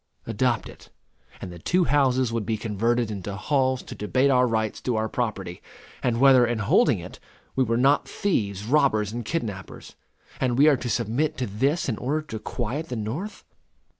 Adopt it, and the two houses would be converted into halls to debate our rights to our property, and whether, in holding it, we were not thieves, robbers, and kidnappers; and we are to submit to this in order to quiet the North!